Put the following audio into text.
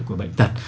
của bệnh tật